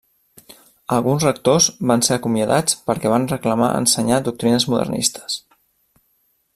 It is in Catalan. Alguns rectors van ser acomiadats perquè van reclamar ensenyar doctrines modernistes.